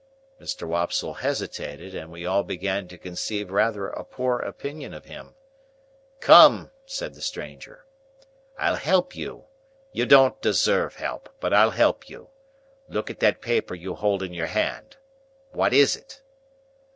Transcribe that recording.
Mr. Wopsle hesitated, and we all began to conceive rather a poor opinion of him. "Come!" said the stranger, "I'll help you. You don't deserve help, but I'll help you. Look at that paper you hold in your hand. What is it?"